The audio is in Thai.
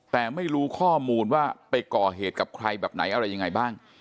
แต่ไม่รู้ข้อมูลว่าไปก่อเหตุกับใครแบบไหนอะไรยังไงบ้าง